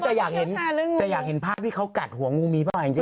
แต่อยากเห็นภาพที่เขากัดหัวงูมีประมาณจริง